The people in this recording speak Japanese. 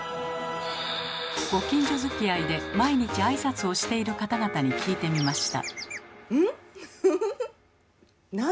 ご近所づきあいで毎日挨拶をしている方々に聞いてみました。